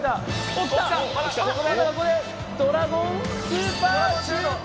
またここでドラゴンスーパーシュート！